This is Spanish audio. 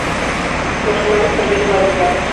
Los romanos perdieron varios barcos.